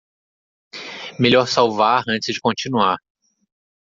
Melhor salvar antes de continuar.